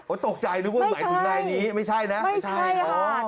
โอ้ยตกใจนะคุณหน้านี้ไม่ใช่ไม่ใช่นะไม่ใช่ค่ะ